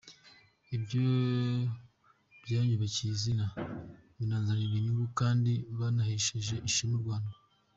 Ibyo byanyubakiye izina binanzanira inyungu kandi byanahesheje ishema u Rwanda.